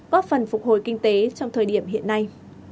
góp phần phục hồi kinh tế trong thời điểm hiện nay